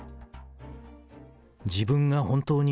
自分が本当に、